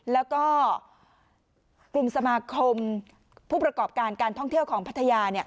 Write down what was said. แล้วก็กลุ่มสมาคมผู้ประกอบการการท่องเที่ยวของพัทยา